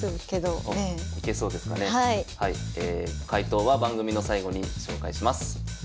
解答は番組の最後に紹介します。